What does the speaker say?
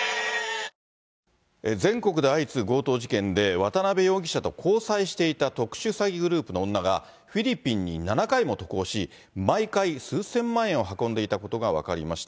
渡辺容疑者と交際していた特殊詐欺グループの女が、フィリピンに７回も渡航し、毎回、数千万円を運んでいたことが分かりました。